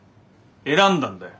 選んだんだよ